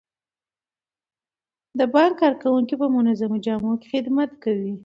د بانک کارکوونکي په منظمو جامو کې خدمت کوي.